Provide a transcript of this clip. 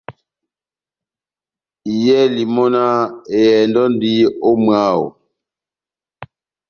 Iyɛli mɔ́náh :« ehɛndɔ endi ó mwáho. »